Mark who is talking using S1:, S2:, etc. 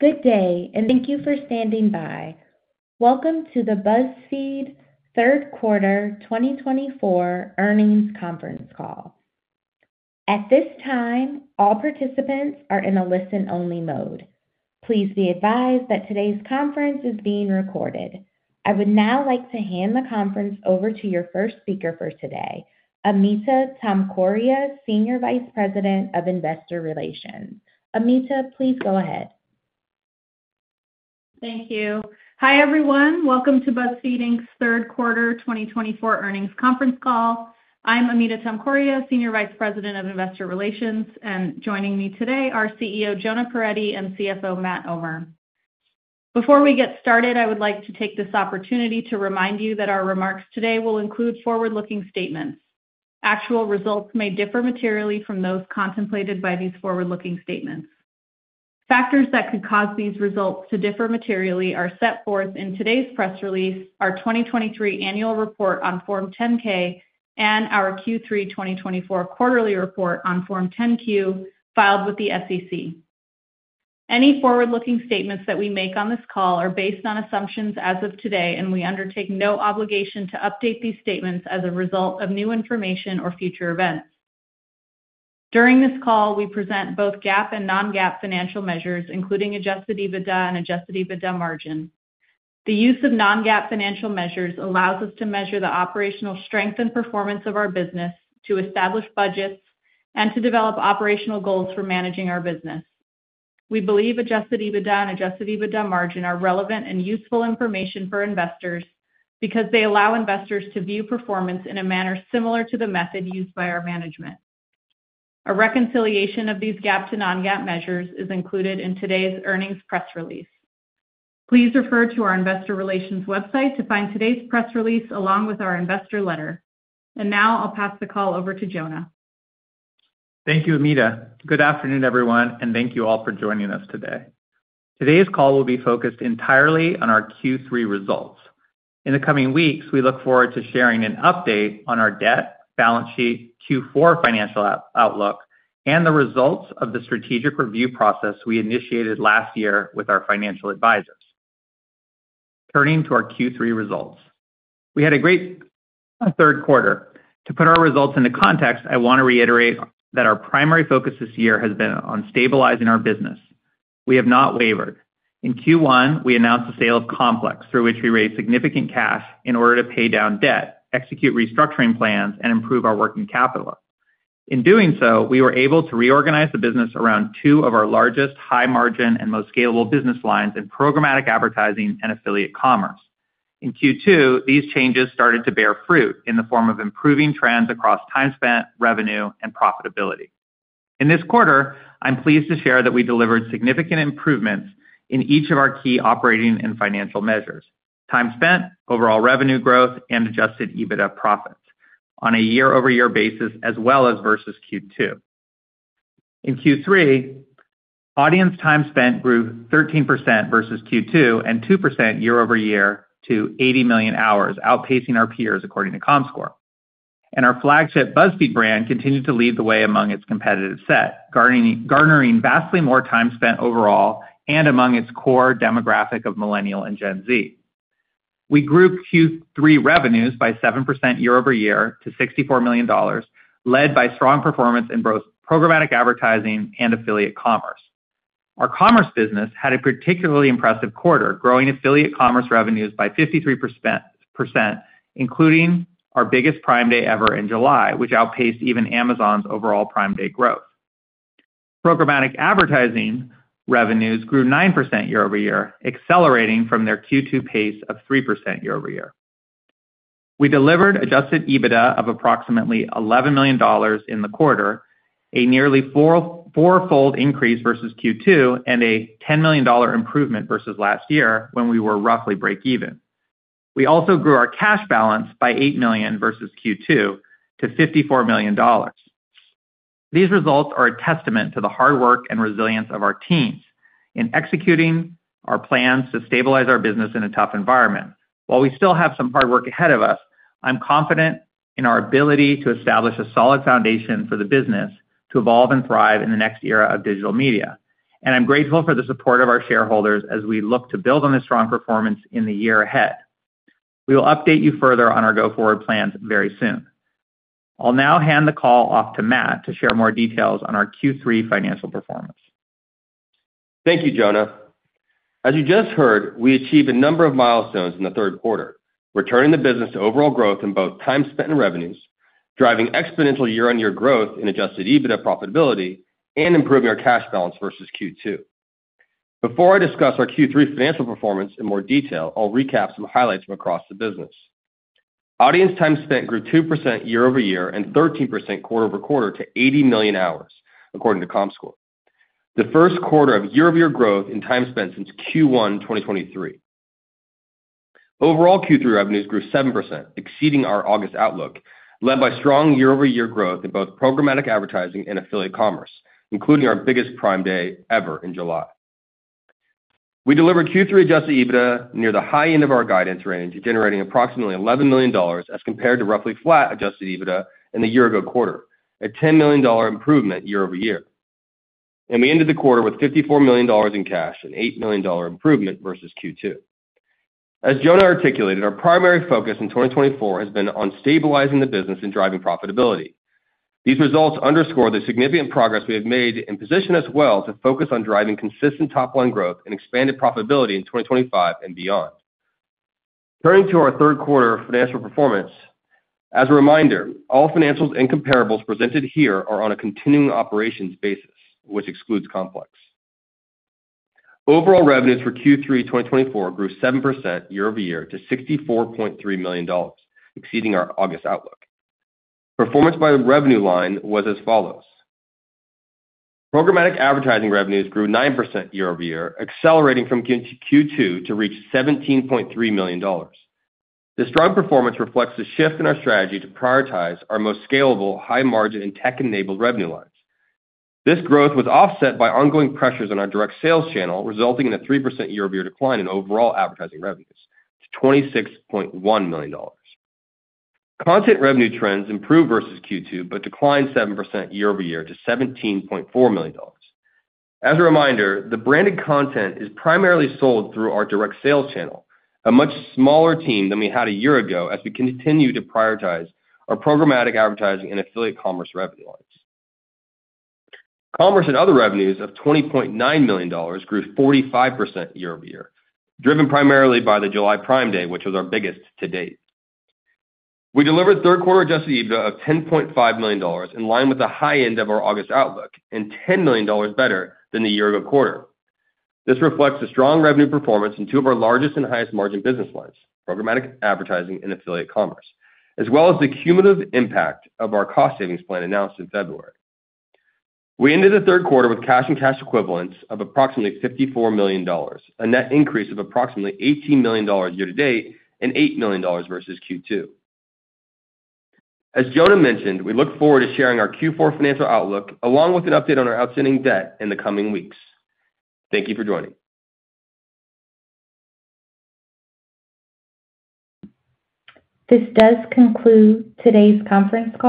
S1: Good day, and thank you for standing by. Welcome to the BuzzFeed Q3 2024 earnings conference call. At this time, all participants are in a listen-only mode. Please be advised that today's conference is being recorded. I would now like to hand the conference over to your first speaker for today, Amita Tomkoria, Senior Vice President of Investor Relations. Amita, please go ahead.
S2: Thank you. Hi, everyone. Welcome to BuzzFeed, Inc. Q3 2024 earnings conference call. I'm Amita Tomkoria, Senior Vice President of Investor Relations, and joining me today are CEO Jonah Peretti and CFO Matt Omer. Before we get started, I would like to take this opportunity to remind you that our remarks today will include forward-looking statements. Actual results may differ materially from those contemplated by these forward-looking statements. Factors that could cause these results to differ materially are set forth in today's press release, our 2023 annual report on Form 10-K, and our Q3 2024 quarterly report on Form 10-Q filed with the SEC. Any forward-looking statements that we make on this call are based on assumptions as of today, and we undertake no obligation to update these statements as a result of new information or future events. During this call, we present both GAAP and non-GAAP financial measures, including adjusted EBITDA and adjusted EBITDA margin. The use of non-GAAP financial measures allows us to measure the operational strength and performance of our business, to establish budgets, and to develop operational goals for managing our business. We believe adjusted EBITDA and adjusted EBITDA margin are relevant and useful information for investors because they allow investors to view performance in a manner similar to the method used by our management. A reconciliation of these GAAP to non-GAAP measures is included in today's earnings press release. Please refer to our Investor Relations website to find today's press release along with our investor letter. Now I'll pass the call over to Jonah.
S3: Thank you, Amita. Good afternoon, everyone, and thank you all for joining us today. Today's call will be focused entirely on our Q3 results. In the coming weeks, we look forward to sharing an update on our debt balance sheet, Q4 financial outlook, and the results of the strategic review process we initiated last year with our financial advisors. Turning to our Q3 results, we had a great Q3. To put our results into context, I want to reiterate that our primary focus this year has been on stabilizing our business. We have not wavered. In Q1, we announced the sale of Complex, through which we raised significant cash in order to pay down debt, execute restructuring plans, and improve our working capital. In doing so, we were able to reorganize the business around two of our largest high-margin and most scalable business lines in programmatic advertising and affiliate commerce. In Q2, these changes started to bear fruit in the form of improving trends across time spent, revenue, and profitability. In this quarter, I'm pleased to share that we delivered significant improvements in each of our key operating and financial measures: time spent, overall revenue growth, and Adjusted EBITDA profits on a year-over-year basis, as well as versus Q2. In Q3, audience time spent grew 13% versus Q2 and 2% year-over-year to 80 million hours, outpacing our peers according to Comscore. And our flagship BuzzFeed brand continued to lead the way among its competitive set, garnering vastly more time spent overall and among its core demographic of Millennial and Gen Z. We grew Q3 revenues by 7% year-over-year to $64 million, led by strong performance in both programmatic advertising and affiliate commerce. Our commerce business had a particularly impressive quarter, growing affiliate commerce revenues by 53%, including our biggest Prime Day ever in July, which outpaced even Amazon's overall Prime Day growth. Programmatic advertising revenues grew 9% year-over-year, accelerating from their Q2 pace of 3% year-over-year. We delivered Adjusted EBITDA of approximately $11 million in the quarter, a nearly four-fold increase versus Q2, and a $10 million improvement versus last year when we were roughly break-even. We also grew our cash balance by $8 million versus Q2 to $54 million. These results are a testament to the hard work and resilience of our teams in executing our plans to stabilize our business in a tough environment. While we still have some hard work ahead of us, I'm confident in our ability to establish a solid foundation for the business to evolve and thrive in the next era of digital media. And I'm grateful for the support of our shareholders as we look to build on this strong performance in the year ahead. We will update you further on our go forward plans very soon. I'll now hand the call off to Matt to share more details on our Q3 financial performance.
S4: Thank you, Jonah. As you just heard, we achieved a number of milestones in the Q3, returning the business to overall growth in both time spent and revenues, driving exponential year-on-year growth in Adjusted EBITDA profitability, and improving our cash balance versus Q2. Before I discuss our Q3 financial performance in more detail, I'll recap some highlights from across the business. Audience time spent grew 2% year-over-year and 13% quarter-over-quarter to 80 million hours, according to Comscore. The first quarter of year-over-year growth in time spent since Q1 2023. Overall Q3 revenues grew 7%, exceeding our August outlook, led by strong year-over-year growth in both programmatic advertising and affiliate commerce, including our biggest Prime Day ever in July. We delivered Q3 Adjusted EBITDA near the high end of our guidance range, generating approximately $11 million as compared to roughly flat Adjusted EBITDA in the year-ago quarter, a $10 million improvement year-over-year, and we ended the quarter with $54 million in cash, an $8 million improvement versus Q2. As Jonah articulated, our primary focus in 2024 has been on stabilizing the business and driving profitability. These results underscore the significant progress we have made and position us well to focus on driving consistent top-line growth and expanded profitability in 2025 and beyond. Turning to our Q3 financial performance, as a reminder, all financials and comparables presented here are on a continuing operations basis, which excludes Complex. Overall revenues for Q3 2024 grew 7% year-over-year to $64.3 million, exceeding our August outlook. Performance by the revenue line was as follows. Programmatic advertising revenues grew 9% year-over-year, accelerating from Q2 to reach $17.3 million. This strong performance reflects a shift in our strategy to prioritize our most scalable, high-margin, and tech-enabled revenue lines. This growth was offset by ongoing pressures on our direct sales channel, resulting in a 3% year-over-year decline in overall advertising revenues to $26.1 million. Content revenue trends improved versus Q2 but declined 7% year-over-year to $17.4 million. As a reminder, the branded content is primarily sold through our direct sales channel, a much smaller team than we had a year ago as we continue to prioritize our programmatic advertising and affiliate commerce revenue lines. Commerce and other revenues of $20.9 million grew 45% year-over-year, driven primarily by the July Prime Day, which was our biggest to date. We delivered Q3 Adjusted EBITDA of $10.5 million, in line with the high end of our August outlook, and $10 million better than the year-ago quarter. This reflects a strong revenue performance in two of our largest and highest-margin business lines, programmatic advertising and affiliate commerce, as well as the cumulative impact of our cost savings plan announced in February. We ended the Q3 with cash and cash equivalents of approximately $54 million, a net increase of approximately $18 million year-to-date and $8 million versus Q2. As Jonah mentioned, we look forward to sharing our Q4 financial outlook along with an update on our outstanding debt in the coming weeks. Thank you for joining.
S1: This does conclude today's conference call.